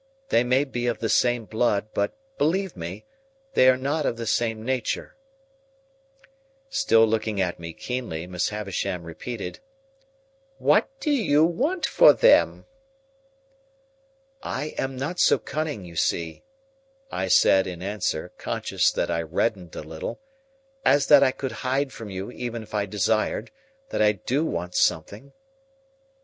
They may be of the same blood, but, believe me, they are not of the same nature." Still looking at me keenly, Miss Havisham repeated,— "What do you want for them?" "I am not so cunning, you see," I said, in answer, conscious that I reddened a little, "as that I could hide from you, even if I desired, that I do want something.